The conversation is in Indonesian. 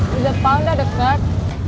di depan dah deket